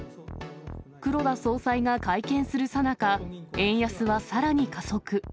黒田総裁が会見するさなか、円安はさらに加速。